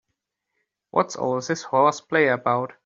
What's all this horseplay about?